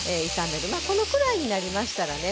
このくらいになりましたらね